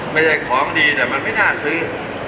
ไม่ใช่ของดีแต่มันไม่น่าซื้อ